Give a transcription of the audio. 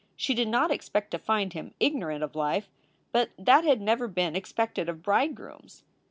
She did not expect to find him ignorant of life. But that had never been expected of bridegrooms.